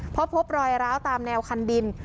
เพราะพบรอยร้าวตามแนวคันดิน